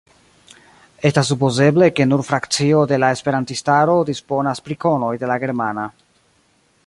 Estas supozeble, ke nur frakcio de la esperantistaro disponas pri konoj de la germana.